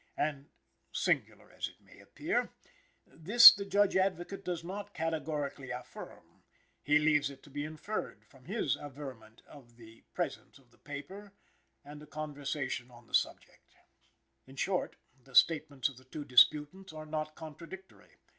And, singular as it may appear, this the Judge Advocate does not categorically affirm; he leaves it to be inferred from his averment of the presence of the paper and a conversation on the subject. In short, the statements of the two disputants are not contradictory.